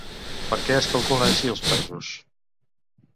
Per què es calculen així els pesos?